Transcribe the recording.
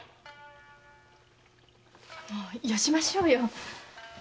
もうよしましょうよ。